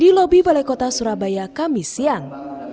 di lobi wali kota surabaya kami siang